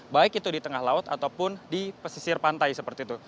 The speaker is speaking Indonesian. baik itu di tengah laut ataupun di pesisir pantai seperti itu